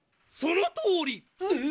そのとおり！